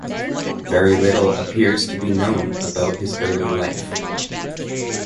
Very little appears to be known about his early life.